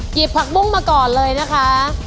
ผักบุ้งมาก่อนเลยนะคะ